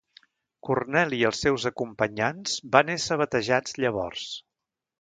Corneli i els seus acompanyants van ésser batejats llavors.